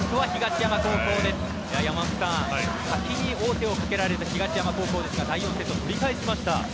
山本さん、先に王手をかけられた東山高校ですが第４セット、取り返しました。